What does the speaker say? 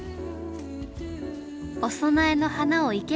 お供えの花を生けること。